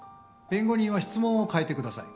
弁護人は質問を変えてください。